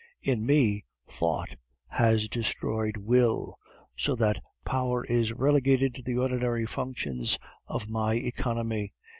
In me Thought has destroyed Will, so that Power is relegated to the ordinary functions of my economy.